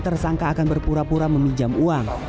tersangka akan berpura pura meminjam uang